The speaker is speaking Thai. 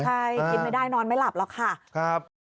ใช่กินไม่ได้นอนไม่หลับหรอกค่ะ